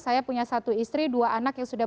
saya punya satu istri dua anak yang sudah